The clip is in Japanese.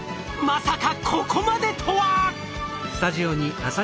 まさかここまでとは！